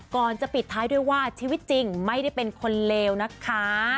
ก่อนจะปิดท้ายด้วยว่าชีวิตจริงไม่ได้เป็นคนเลวนะคะ